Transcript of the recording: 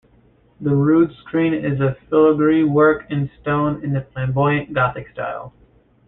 The rood screen is a filigree work in stone in the Flamboyant Gothic style.